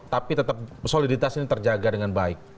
tapi tetap soliditas ini terjaga dengan baik